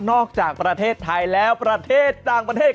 จากประเทศไทยแล้วประเทศต่างประเทศ